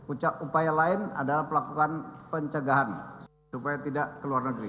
ucap upaya lain adalah melakukan pencegahan supaya tidak ke luar negeri